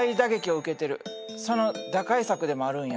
その打開策でもあるんや。